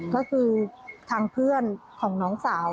ก็คือทางเพื่อนของน้องสาว